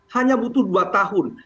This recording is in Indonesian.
hanya butuh dua tahun